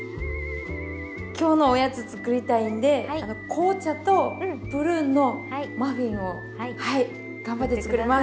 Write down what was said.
今日のおやつ作りたいんで紅茶とプルーンのマフィンを頑張って作ります。